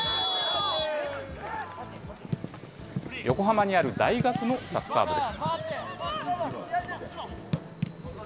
横浜にある大学のサッカー部です。